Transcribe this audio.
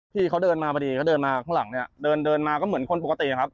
พี่เขาเดินมาพอดีเขาเดินมาข้างหลังเนี่ยเดินเดินมาก็เหมือนคนปกติครับ